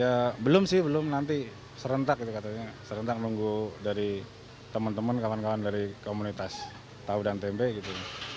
ya belum sih belum nanti serentak itu katanya serentak nunggu dari teman teman kawan kawan dari komunitas tahu dan tempe gitu